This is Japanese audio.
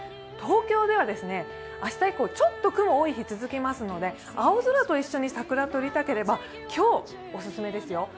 東京では明日以降ちょっと雲多い日、続きますので青空と一緒に桜が撮りたければ今日オススメですよ。